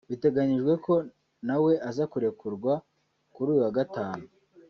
Biteganyijwe ko na we aza kurekurwa kuri uyu wa Gatanu